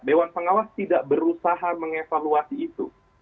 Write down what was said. dewan pengawas tidak berusaha mengevaluasi itu